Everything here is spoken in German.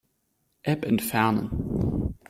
App entfernen.